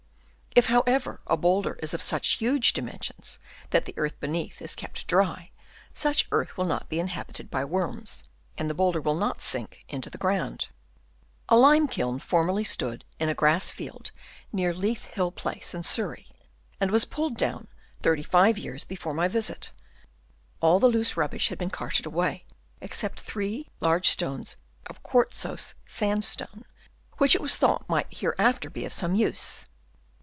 If, however, a boulder is of such huge dimensions, that the earth beneath is kept dry, such earth will not be inhabited bv worms, and the boulder will not sink into the ground. A lime kiln formerly stood in a grass field near Leith Hill Place in Surrey, and was pulled down 35 years before my visit ; all the loose rubbish had been carted away, excepting three large stones of quartzose sandstone, which it was thought might here after be of some use.